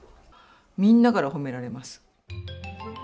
みんなから褒められます。